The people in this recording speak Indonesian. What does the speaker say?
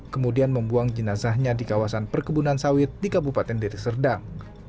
kemudian membuang jenazahnya di kawasan perkebunan sawit di kabupaten delik serdang